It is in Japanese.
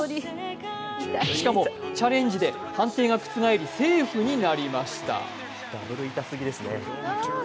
しかもチャレンジで判定が覆り、セーフになりました。